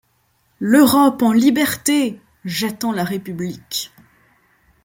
L'Europe en liberté ! -J'attends la république